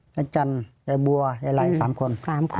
ประจันไอ้บัวไอ้ไรสามคน